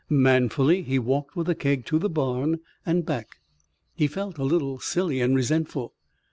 Manfully he walked with the keg to the barn and back. He felt a little silly and resentful.